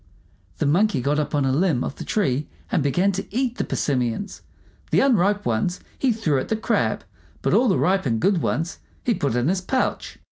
The Monkey got up on a limb of the tree and began to eat the persimmons. The unripe ones he threw at the Crab, but all the ripe and good ones he put in his pouch.